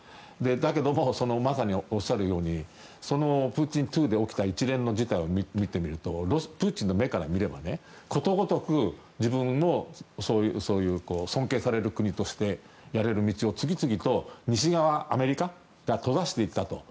だけど、まさにおっしゃるようにそのプーチン２で起きた一連の事態を見てみるとプーチンの目から見ればことごとく自分のそういう尊敬される国としてやれる道を次々と西側、アメリカが閉ざしていったと。